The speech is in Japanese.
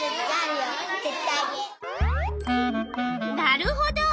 なるほど！